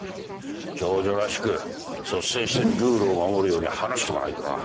長女らしく率先してルールを守るように話しとかないとな。